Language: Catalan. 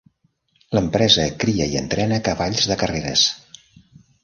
L'empresa cria i entrena cavalls de carreres.